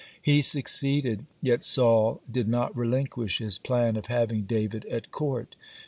He succeeded, (25) yet Saul did not relinquish his plan of having David at court.